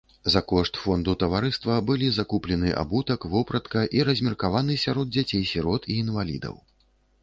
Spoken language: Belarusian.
За кошт фонду таварыства былі закуплены абутак, вопратка і размеркаваны сярод дзяцей-сірот і інвалідаў.